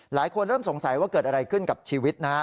หลายคนเริ่มสงสัยว่าเกิดอะไรขึ้นกับชีวิตนะฮะ